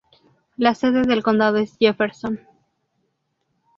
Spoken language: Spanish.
La sede del condado es Jefferson.